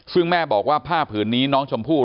ซึ่งแม่บอกว่าผ้าผืนนี้น้องชมพู่